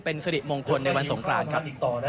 เพื่อให้เกิดความเป็นศรีมงคลในวันสงคราญครับ